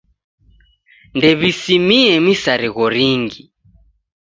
Ndew'isimie misarigho ringi.